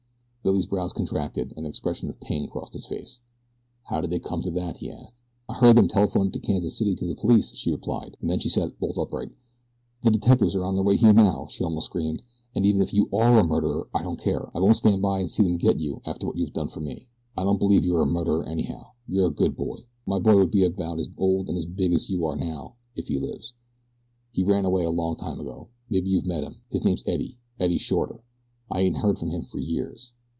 Billy's brows contracted, and an expression of pain crossed his face. "How did they come to say that?" he asked. "I heard them telephonin' to Kansas City to the police," she replied, and then she sat bolt upright. "The detectives are on their way here now," she almost screamed, "and even if you ARE a murderer I don't care. I won't stand by and see 'em get you after what you have done for me. I don't believe you're a murderer anyhow. You're a good boy. My boy would be about as old and as big as you by now if he lives. He ran away a long time ago maybe you've met him. His name's Eddie Eddie Shorter. I ain't heard from him fer years.